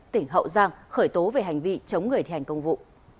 tỉnh hậu giang khởi tố về hành vi chống người thi hành công vụ